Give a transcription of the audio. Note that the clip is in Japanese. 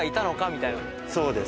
そうです。